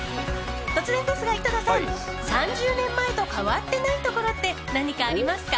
突然ですが、井戸田さん３０年前と変わっていないところって何かありますか？